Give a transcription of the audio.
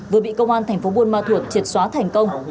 vừa bị công an tp buôn ma thuột triệt xóa thành công